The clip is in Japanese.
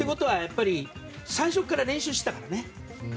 最初から練習してたね。